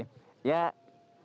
ya demikian pira